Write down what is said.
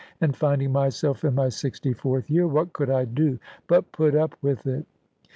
And finding myself in my sixty fourth year, what could I do but put up with it?